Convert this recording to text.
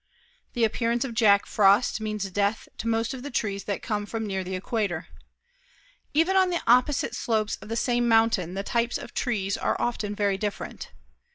The appearance of Jack Frost means death to most of the trees that come from near the equator. Even on the opposite slopes of the same mountain the types of trees are often very different.